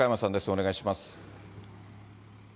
お願いします。